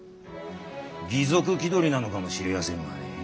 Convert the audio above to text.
義賊気取りなのかもしれやせんがね。